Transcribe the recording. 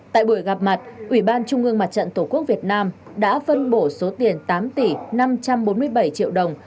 tại buổi gặp mặt ủy ban trung ương mặt trận tổ quốc việt nam đã phân bổ số tiền tám tỷ năm trăm bốn mươi bảy triệu đồng